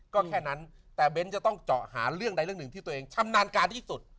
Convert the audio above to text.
ก็แค่นั้นแต่เบ้นจะต้องเจาะหาเรื่องใดเรื่องหนึ่งที่ตัวเองชำนาญการที่สุด